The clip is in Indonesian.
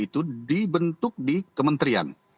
yang lebih bentuk di kementerian